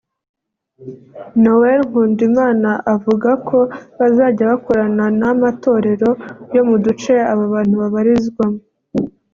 Noel Nkundimana avuga ko bazajya bakorana n’amatorero yo mu duce aba bantu babarizwamo